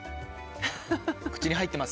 口に入ってます